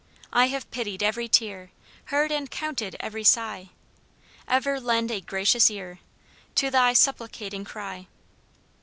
I have pitied every tear, Heard and COUNTED every sigh; Ever lend a gracious ear To thy supplicating cry.